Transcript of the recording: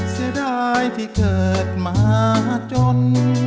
เสียดายที่เกิดมาจน